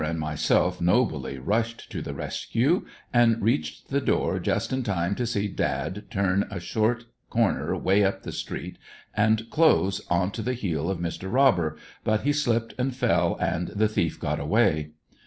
and myself nobly rushed to the rescue and reached tlie door just in time to see Dad turn a short corner way up the street and close on to the heels of Mr. Robber, but he slipped and fell and the thief got away.